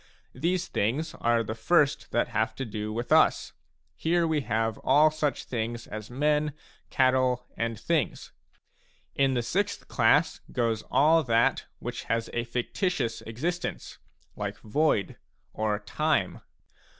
These things are the first that have to do with us ; here we have all such things as men, cattle, and things. In the sixth class goes all that which has a fictitious existence, like void, or time.